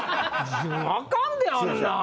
あかんで、あんなん。